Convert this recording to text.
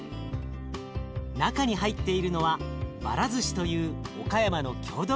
中に入っているのはばらずしという岡山の郷土料理。